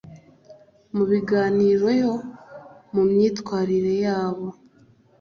mu biganiro no mu myitwarire yabo